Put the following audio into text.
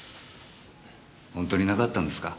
ホントになかったんですか？